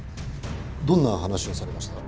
どんな話をされました？